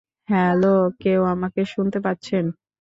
Hello, কেউ আমাকে শুনতে পাচ্ছেন?